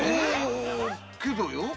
けどよ